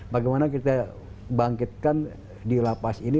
bagaimana kita bangkitkan di lapas ini